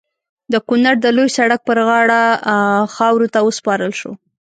د کونړ د لوی سړک پر غاړه خاورو ته وسپارل شو.